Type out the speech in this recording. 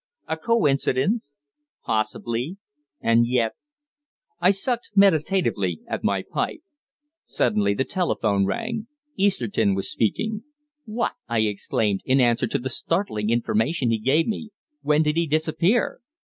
A coincidence? Possibly. And yet I sucked meditatively at my pipe. Suddenly the telephone rang. Easterton was speaking. "What!" I exclaimed, in answer to the startling information he gave me. "When did he disappear?"